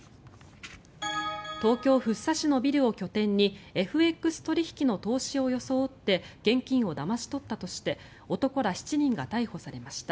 東京・福生市のビルを拠点にＦＸ取引の投資を装って現金をだまし取ったとして男ら７人が逮捕されました。